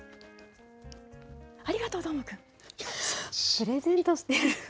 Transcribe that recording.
プレゼントしてる。